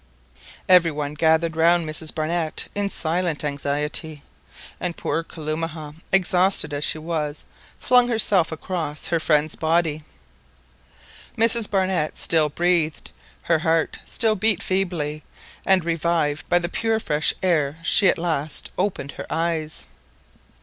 Every one gathered round Mrs Barnett in silent anxiety, and poor Kalumah, exhausted as she was, flung herself across her friend's body. Mrs Barnett still breathed, her heart still beat feebly, and revived by the pure fresh air she at last opened her eyes.